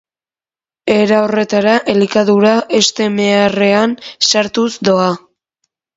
Era horretara elikadura heste meharrean sartuz doa.